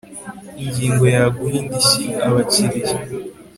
Ingingo ya Guha indishyi abakiriya